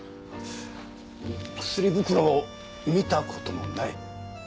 薬袋を見た事もない？